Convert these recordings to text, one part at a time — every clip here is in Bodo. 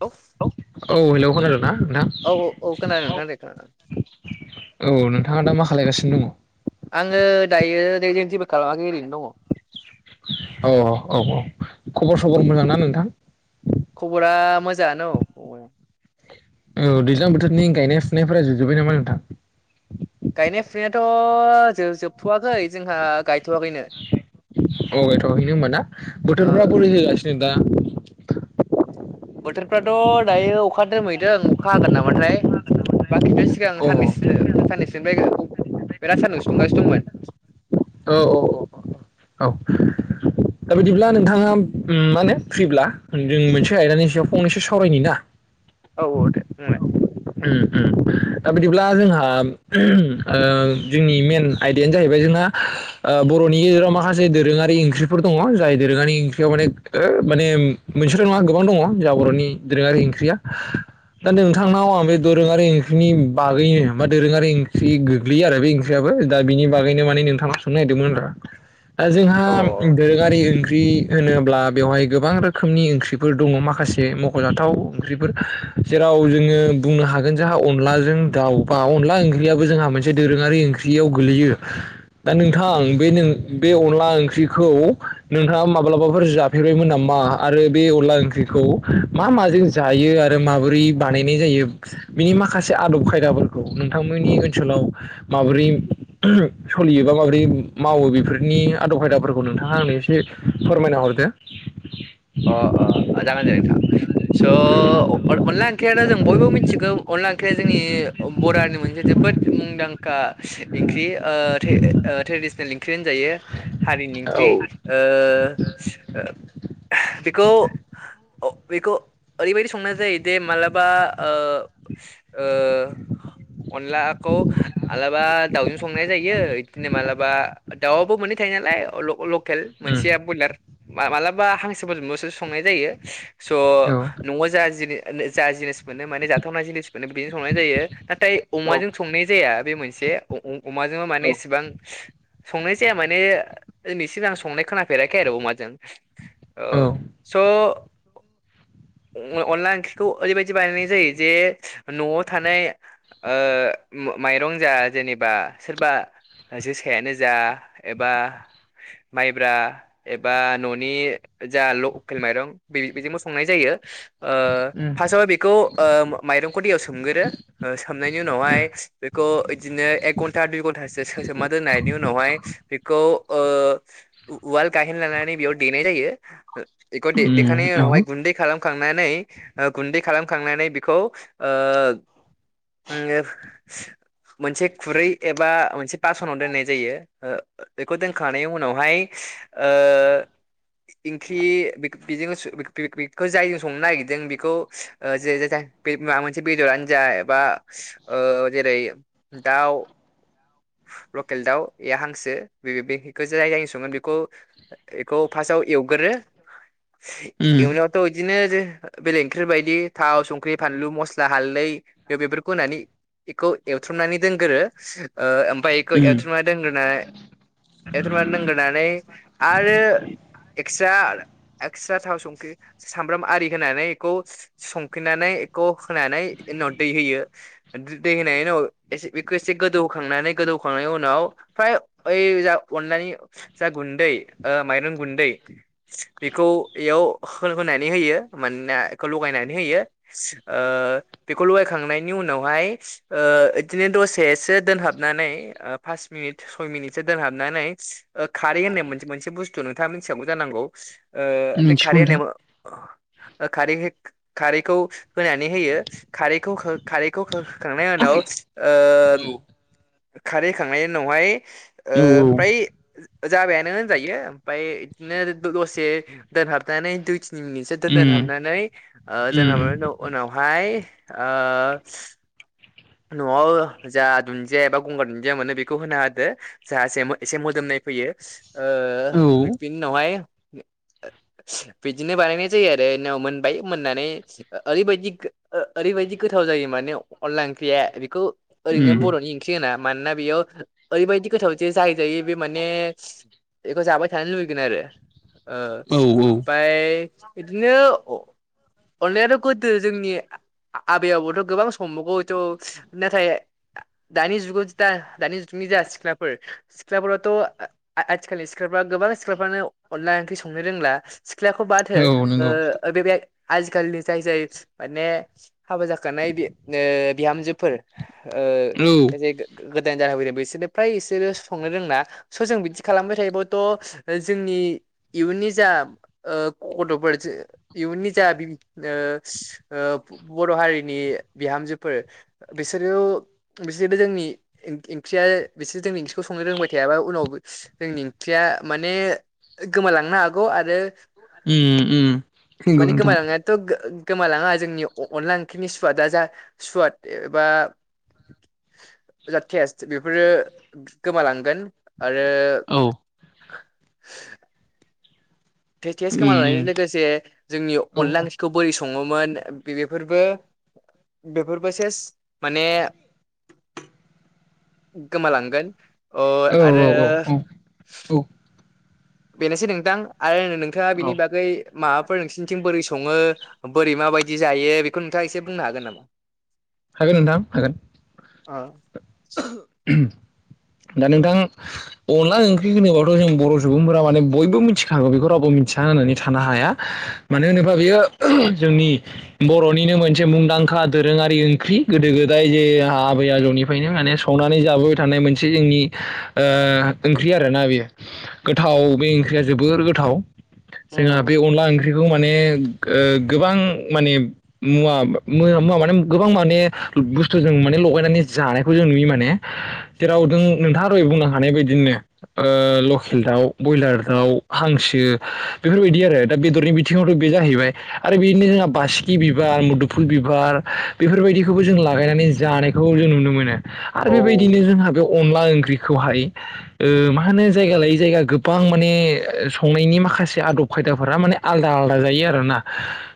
औ औ हेल' खोनादों ना? औ औ खोनादों नोंथां दे खोनादों औ नोंथाङा दा मा खालायगासिनो दङ' आङो दायो रेजेन्टिबो खालामाखै ओरैनो दङ' औ औ औ औ खबर सबर मोजां ना नोंथां? खबरा मोजाङानो औ औ दैज्लां बोथोरनि गायनाय फुनायफोरा जोबजुब्बाय नामा नोंथां? गायनाय फुनायाथ' जोबथ'वाखै जोंहा गायथ'वाखैनो अ एथ' हैनो होनबाना ओ बोथोरफ्रा बोरै होगासिनो दा बोथोरफ्राथ' दायो अखा दोमैदों अखा हागोन नामाथाय बाखिथ' सिगां औ साननैसो साननैसोनिफ्राय बेराद सानदुंसो दुंगासिनो दंमोन औ औ औ औ दा बिदिब्ला नोंथाङा मा होनो फ्रिब्ला जों मोनसे आयदानि सायाव फंनैसो सावरायनि ना औ औ दे बुंनाय उम उम दा बिदिब्ला जोंहा ओ जोंनि मेन आयदायानो जाहैबाय जोंना ओ बर'नि गेजेराव माखासे दोरोङारि ओंख्रिफोर दङ जाय दोरोङारि ओंख्रियाव माने ओ मोनसेल' नङा गोबां दङ जोंहा बर'नि दोरोङारि ओंख्रिया दा नोंथांनाव आं बे दोरोङारि ओंख्रिनि बागै बा दोरोङारि ओंख्रि गोग्लैयो आरो बे ओंख्रियाबो दा बिनि बागैनो माने नोंथांनाव सोंनो नागिरदोंमोन आरो दा जोंहा अ दोरोारि ओंख्रि होनोब्ला बेवहाय गोबां रोखोमनि ओंख्रिफोर दङ' माखासे मख'जाथाव ओंख्रिफोर जेराव जोङो बुंनो हागोन जोंहा अनलाजों दाउ बा अनदला ओंख्रियाबो जोंहा मोनसे दोरोङारि ओंख्रियाव गोलैयो दा नोंथां बे नों बे अनला ओंख्रिखौ नोंथाङा माब्लाबाफोर जाफेरबायमोन नामा? आ आरो बे अनला ओंख्रिखौ मा माजों जायो आरो माबोरै बानायनाय जायो बिनि माखासे आदब खायदाफोरखौ नोंथांमोननि ओनसोलाव माबोरै सलियोबा माबोरै मावो बेफोरनि आदब खायदाफोरखौ नोंथाङा आंनो एसे फोरमायना हर दो। अ अ जागोन दे नोंथां स' ओ अ-अनला ओंख्रिया जों बयबो मिथिगौ अनला ओंख्रिया जोंनि बर' हारिनि मोनसे जोबोद मुंदांखा इंख्रि ओ ट्रे-ओ-ट्रेडिसनेल इंख्रि होनजायो हारिनि औ इंख्रि ओ बेखौ बेखौ ओरैबायदि संनाय जायोदि मालाबा ओ ओ अनलाखौ मालाबा दाउजों संनाय जायो इदिनो मालाबा दाउआबो मोन नै थायो नालाय अल' ल'केल उम मोनसेया बयलार मालाबा हां सो फोरजोंबोसो संनाय जायो स' औ न'आव जा जिनि जा जिनिस मोनो माने जाथावनाय जिनिस मोनो बिदिजों संनाय जायो नाथाय अमाजों संनाय जाया बे मोनसे ए अ-अ-अमाजों माने औ इसेबां संनाय जाया माने दिनैसिम आं संनाय खोनाफेराखै आरो अमाजों। ओ औ स' अनला ओंख्रिखौ ओरैबायदि बानायनाय जायो जे न'आव थानाय ओ मा-माइ रं जा जेनेबा सोरबा जोसायानो जा एबा माइब्रा एबा न'नि जा लकेल माइरं बे बेजोंबो संनाय जायो ओ उम फार्सआवहाय बेखौ ओ माइ माइरंखौ दैआव सोमगोरो ओ सोमनायनि उनावहाय बेखौ इदिनो एक घन्टा दुइ घन्टा सो सोम ना दोननायनि उनावहाय बेखौ ओ उवाल गाइहेन लानानै बेयाव देनाय जायो ओ एखौ उम दे-देखांनायनि औ उनावहाय गुन्दै खालामखांनानै ओ गुन्दै खालामखांनानै बेखौ ओ ओ मोनसे खुरै एबा मोनसे बास'नाव दोननाय जायो ओ बेखौ दोनखांनायनि उनावहाय ओ इंख्रि बेखो बेजों-बे-बेखौ जायजों संनो नागिरदों बेखौ ओ जे जे जाय बे माबा मोनसे बेदरानो जा एबा ओ जेरै दाउ लकेल दाउ एया हांसो बे बे बेखौ जाय जाय सङो बेखौ बेखौ फार्स्टाव एवगोरो एवनायावथ' इदिनो बेले ओंख्रि बायदि थाव संख्रि फानलु मस्ला हालदै बे-बेफोरखौ होनानै इखौ एवथ्रमनानै दोनगोरो ओमफाय एखौ एवथ्रमनानै दोनगोरना एवथ्रमनानै दोनगोरनानै आरो एक्सत्रा एक्सट्रा थाव संख्रि सामब्राम आरि होनानै एखौ संफिननानै एखौ होनानै उनाव दै होयो दै होनाय उनाव एसे बेखौ एसे गोदौ खांनानै गोदौ खांनायनि उनाव फ्राइ ओइ अनलानि जा गुन्दै ओ माइरं गुन्दै बेखौ एयाव होनानै होयो मानोना एखौ लगायनानै होयो ओ बेखौ लगायखांनायनि उनावहाय ओ इदिनो दसेसो दोनहाबनानै ओ फास मिनिट सय मिनिटसो दोनहाबनानै ओ खारै होननाय मोनसे मोनसे बुस्थु नोंथाङा मिथिखागौ जानांगौ ओ बे मिथिगौ खारै नोंथां होननाय ओ खारै खारैखौ होनानै होयो खारैखौ खारैखौ होखांनायनि उनाव ओ खारै होखांनायनि उनावहाय ओ औ औ फ्राय जाबायानो होनजायो ओमफाय बिदिनो दसे दोनहाबनानै दुइ तिन मिनितसो उम दोनहाबनानै ओ [unintelligible] उनावहाय ओ न'आव जा दुन्दिया एबा गंगार दुन्दिया मोनो बेखौ होना होदो जा एसे एसे मोदोमनाय फैयो ओ बिनि उम उनावहाय ओ बिदिनो बानायनाय जायो आरो मोनबाय मोननानै ओरैबायदि गो ओरैबायदि गोथाव जायो माने अनला ओं ख्रिया बेखौ ओरैनो बरनि ओंख्रि होना मानोना बेयाव ओरैबायाददि गोथाव जे जाय जायो बे माने बेखौ जाबाय थानो लुबैगोन आरो ओ औ उम औ औ ओमफ्राय इदिनो अनलायाथ' गोदो जोंनि आबै आ-आ-आबौआथ गोबां समबोगौ नाथाय आ दानि जुगावदि दा दानि जुगनि जा सिख्लाफोर सिख्लाफोराथ' आ-आथिखालनि सिख्लाफ्रा गोबां सिख्लाफ्रानो अनला ओंख्रि संनो रोंला सिख्लाखौ बाद हो औ नंगौ ओ बे बे आजिखालिनि जाय जाय माने हाबा जाखानाय बेनो बिहामजोफोर औ ओ जे गोदान जाना फैदों बिसोरनो फ्राय इसोरो संनो रोंला। स जों बिदि खालामबाय थायोबथ जोंनि इयुननि जा ओ गथ'फोर इयुननि जा बि ओ ओ बर हारिनि बिहामजो फोर बिसोरो बिसोरबो जोंनि ओंख्रिया बिसोरो जोंनि ओंख्रिखौ संनो रोंबाय थाया। याबा उनाव जोंनि ओंख्रिया माने गोमालांनो हागौ आरो उम उम नंगौ माने नोंथां गोमालांनायाथ' गो-गोमालाङा जोंनि अ-अनला ओंख्रिनि सुवादा जा सुवाद गैया बा [inaudible] [unintelligible] बेफोरो गोमालांगोन आरो [inaudible] टेस टेस उम उम गोमालांनायजों लोगोसे जोंनि औ अनला ओंख्रिखौ बोरै सङोमोन बे-बेफोरबो बेफोरबो सेस माने गोमालांगोन अ औ आरो औ औ औ बेनोसै नोंथां आरो नोंथाङा बेनि औ बागै माबाफोर नोंसिनिथिं बोरै सङो बोरै मा माबायदि जायो बेखौ नोंथाङा एसे बुंनो हागोन नामा? हागोन नोंथां हागोन। ओह दा नोंथां अनला ओंख्रि होनोब्लाथ जों बर सुबुंफोरा माने बयबो मिथिखागौ बेखौ रावबो मिथि या होननानै थानो हाया मानो होनोबा बेयो जोंनि बर'निनो मोनसे मुंदांखा दोरोङारि ओंख्रि गोदो गोदाय जे आबै आजौनिफ्रायनो माने संनानै जाबोबाय थानाय मोनसे से जोंनि ओंख्रि आरोना बेयो गोथाव बे ओंख्रिया जोबोर गोथाव जोंहा उम बे अनला ओंख्रिखौ माने ओ गोबां माने मुवा मुवा माने गोबां माने बुस्थु जों माने लगायनानै जानायखौ जों नुयो माने जेराव दों नोंथाङा दहाय बुंनो हानाय बायदिनो ओ लकेल दाउ ब्रयलार दाउ हांसो बेफोरबायदि आरो दा बेदरनि बिथिङावथ बे जाहैबाय आरो बेदिनो जोंहा बासिकि बिबार मुदुफु फुल बिबार बेफोरबायदिखौबो जों लागायनानै जानायखौ जों नुनो मोनो आरो औ बेबायदिनो जोंहा बे अनला ओंख्रिखौहाय मा ओ होनो जाया लायै जायगा गोबां माने संनायनि माखासे माखासे आदब खायदाफोरा माने आलदा आलदा जायो आरोना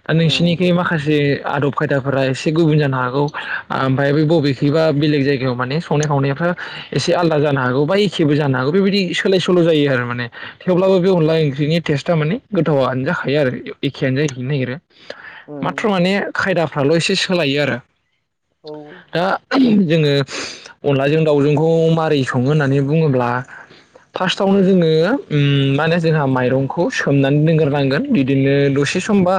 ओ नोंसिनिखै माखासे आदब खायदा एसे गुबुन जानो हागौ ओमफ्राय बे बबेखैबा बेलेग जायगायाव माने संनाय खावनायफ्रा एसे आलदा जानो हागौ बा एखेबो जानो हागौ बेबायदि सोलाय सोल जायो आरो माने थेवब्लाबो बे अनला ओं ख्रिनि टेस्टआ माने गोथावआनो जाखायो आरो एखेयानो जाहैफिननो नागिरो। माथ्र उम माने खायदाफ्राल' एसे सोलायो आरो औ दा जोङो अनलाजों दाउजोंखौ मारै सङो होननानै बुङोब्ला फार्स्टआवनो जोङो मा होने जोंहा माइरंखौ सोमनानै दोनग्रोनांगोन बिदिनो दसे थसे समबा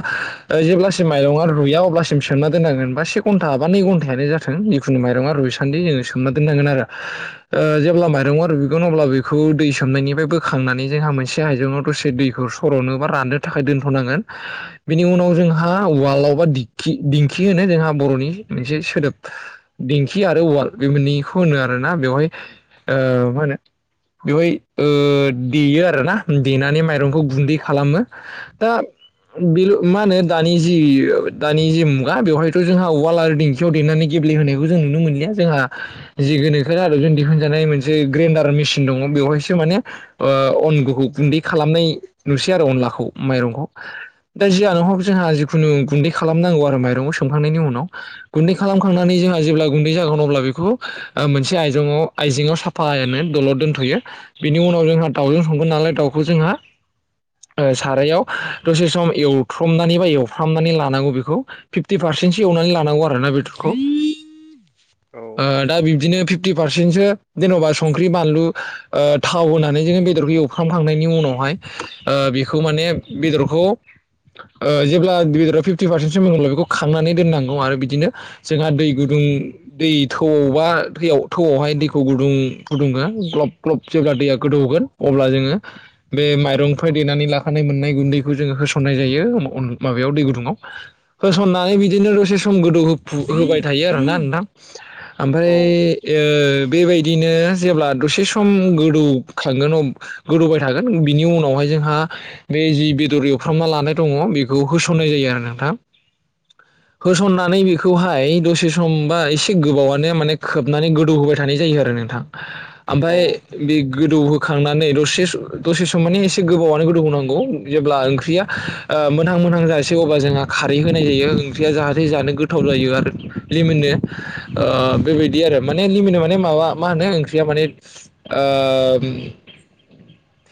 जेब्लासिम माइरं आरो रुया अब्लासिम सोमना दोननांगोन बबा से घन्टा बा नै घन्टानो जाथों जिखुनु माइरं आ रुइसान्दि जोङो सोमना दोननांगोन आरो जेब्ला माइरआ रुगगोन अब्ला बेखौ दै सोमनायनिफ्राय बोखांनानै जोंहा मोनसे हाइजौाव दसे दैखौ स'नो बा राननो थाखाय दोनथ'नांगोन बेनि उनाव जोंहा उवालाव होनो जोंहा बर'नि मोनसे सोदोब दिंखि आरो औवाल बे मोननैखौ होनो आरो आरोना बेवहाय मा होनो बेवहाय देयो आरो ना देनानै माइरंखौ गुन्दै खालामो। दा बेल' नङा होनो दानि जि दानि जि मुगा बेवहायथ' जोंहा उवाल आरो दिंखियाव देनानै गेब्लेहायखौ जों नुनो मोनलिया। जोंहा जि गोनोखो आदब जों दिुनानाय मोनसे ग्रेन्दार मेसिन दङ बेवहायसो माननखौ गुन्दै खालाम नाय नुसै आरो अनलाखौ माइरंखौ। दा जियानोहक जोंहा जिखुनु गुन्दै खालामनांगौ आरो माइरंखौ सोमखांनायनि उनाव गुन्दै खालामखांनानै जोंहा जेब्ला गुन्दै जागोन अब्ला बेखौ ओ मोनसे आइजेंआव-आइजेंआव साफायानो दलर दोनथ'यो बिनि उनाव जोंहा दाउजों संगोन नालाय दाउखौ जोंहा [inaudible] ओ सारायाव दसे सम एवथ्रमनानै बा एवफ्रामनानै लानांगौ बेखौ फिफ्टि पार्से सेनसो एवनानै लानांगौ आरोना बेदरखौ। औ दा बिनो फिप्टि फारसेनसो जेन'बा संख्रि बानलु ओ थाव होनानै जोङो बेदरखौ एवफ्रांखांनायनि उनावहाय ओ बेखौ माने बेदरखौ ओ जेब्ला बेदरा फिफ्टि पारसेन्टसो मोन्ला बेखौ खांनानै दोननांगौ आरो बिदिनो। जोंहा दै गुदुं दै थौआवबा दै थौआवहाय दैखौ गुदुं गुदुंङो ग्लब ग्लब जायगा दैया गोदौ गोन अब्ला जोङो, बे माइरंनिफ्राय मोननाय गुन्दैखौ होस'ननाय जायो। माबायाव दै गुदुङाव। होसननानै बिदिनो दसे सम गोदौ होबाय थायो आरोना नोंथां। औ ओमफ्राय ओ बेबायदिनो जेब्ला दसे सम गोदौखांगोन गोदौबाय थागोन बिनि उनावहाय जों जोंहा बे जि बेदर एवफ्रामा लानाय दङ बेखौ होसननाय जायो आरो नोंथां। होसननानै बेखौहाय दसे समबा एसे एसे गोबावनो माने खोबनानै गोदौ होबाय थानाय जायो आरो नोंथां ओमफ्राय बे गोदौ खांनानै दसे सम माने एसे गोबावनो गोदौ होनांगौ जेब्ला ओंख्रिया मोनहां मोनां जासै अबब्ला जोंहा खारै होनाय जायो ओंख्रिया जाहाथे जानो गोथाव जायो आरो लिमोनो। ओ बेबायदि आरो माने लिमोनो माने माबा मा होनो ओंख्रिया माने ओ [inaudible]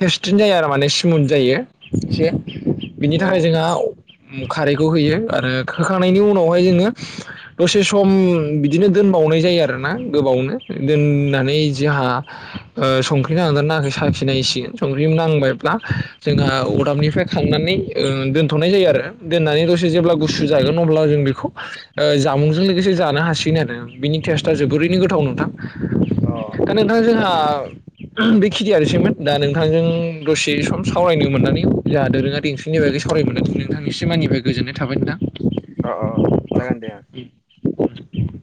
थेस्टिन जायो आरो माने स्मुथ जायो एसे बिनि औ थाखाय जोंहा खारैखौ होयो आरो होखांनायनायनि उनावहाय जोङो दसे सम बिदिनो दोन बावनाय जायो आरोना गोबावनो दोननानै जोंहा संख्रि नांदों ना नाङाखै खि नायसिगोन। संख्रि नांबायब्ला जोंहा अरदाबनिफ्राय खांनानै ओ दोनथ'नाय जायो आरो‌। दोननानै दसे जेब्ला गुसु जागोन अब्ला जों बेखौ ओ जामुंजों लोगोसे जानो हासिगोन आरो। बिनि टेस्टआ जोबोद ओरैनि गोथाव नोंथां। अ दा नोंथां जोंहा बे खिनियासैमोन। दा नोंथांजों दसे सम सावरायनो मोननानै जोंहा दोरोङारि ओंख्रिनि बागै सावराय मोन्नानै नोंथां एसे मानि निफ्राय गोजोननाय थाबाय नोंथां। अ अ जागोन दे ओ। [inaudible]